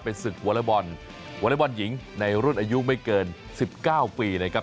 ศึกวอเลอร์บอลวอเล็กบอลหญิงในรุ่นอายุไม่เกิน๑๙ปีนะครับ